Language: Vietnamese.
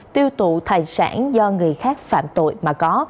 tiêu tụ thầy sản do người khác phạm tội mà có